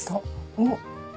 おっ。